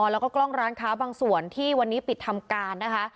แล้วก็กล้องร้านค้าบางส่วนที่วันนี้ปิดทำการนะคะ